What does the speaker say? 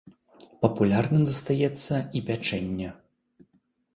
Папулярным застаецца і пячэнне.